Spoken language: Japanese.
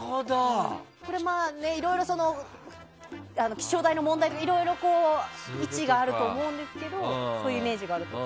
これは気象台の問題とかいろいろ一因があると思うんですけどそういうイメージがあると。